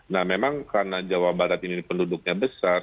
nah memang karena jawa barat ini penduduknya besar